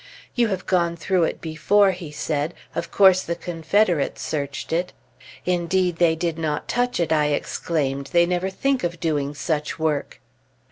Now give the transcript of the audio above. "You have gone through it before," he said. "Of course, the Confederates searched it." "Indeed, they did not touch it!" I exclaimed. "They never think of doing such work."